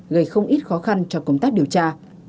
gây không ít khó khăn cho công tác điều tra